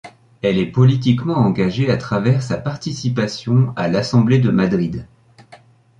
Elle est politiquement engagée à travers sa participation à l'assemblée de Madrid.